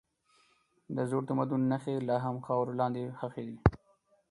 د زوړ تمدن نښې لا هم خاورو لاندې ښخي دي.